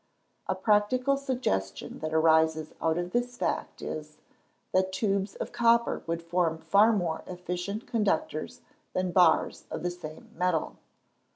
A practical suggestion that arises out of this fact is, that tubes of copper would form far more efficient conductors than bars of the same metal.